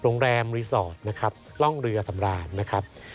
โรงแรมรีสอร์ทนะครับร่องเรือสำราญนะครับ